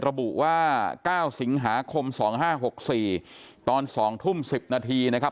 ระบุว่า๙สิงหาคม๒๕๖๔ตอน๒ทุ่ม๑๐นาทีนะครับ